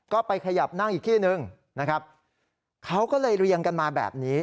ก็ไปขยับนั่งอีกที่หนึ่งนะครับเขาก็เลยเรียงกันมาแบบนี้